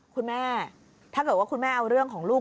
คุณแม่ถ้าเกิดว่าคุณแม่เอาเรื่องของลูก